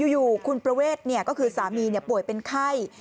อยู่คุณประเวทก็คือสามีป่วยเป็นไข้